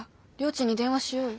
ちんに電話しようよ。